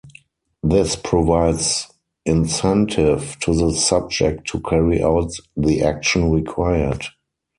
This provides incentive to the subject to carry out the action required.